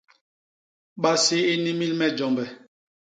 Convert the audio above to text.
Basi i nnimil me i jombe.